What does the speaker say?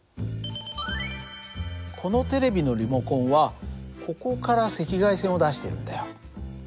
このテレビのリモコンはここから赤外線を出してるんだよ。